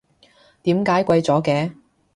點解貴咗嘅？